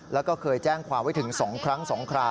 แล้วก็เคยแจ้งความไว้ถึง๒ครั้ง๒คราว